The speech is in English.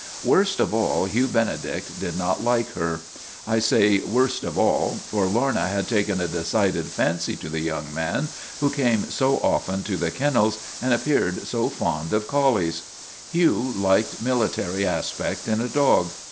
Worst of all, Hugh Benedict did not like her. I say worst of all, for Lorna had taken a decided fancy to the young man who came so often to the kennels and appeared to be so fond of collies. Hugh liked military aspect in a dog.